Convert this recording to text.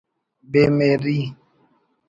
بے مہری